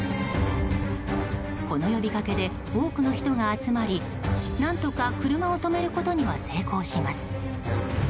この呼びかけで多くの人が集まり何とか車を止めることには成功します。